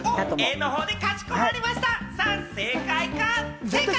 Ａのほうでかしこまりました！